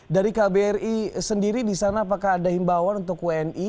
dari kbri sendiri di sana apakah ada himbawan untuk wni